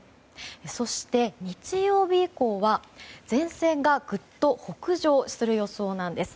そして日曜日以降は、前線がぐっと北上する予想なんです。